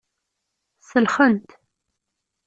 Selxen-t.